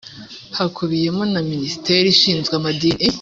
hakubiyemo na minisiteri ishinzwe amadini